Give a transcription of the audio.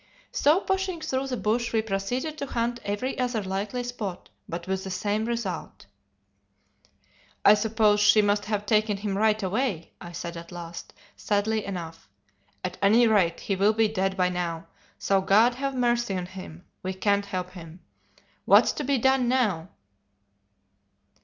"So pushing through the bush we proceeded to hunt every other likely spot, but with the same result. "'I suppose she must have taken him right away,' I said at last, sadly enough. 'At any rate he will be dead by now, so God have mercy on him, we can't help him. What's to be done now?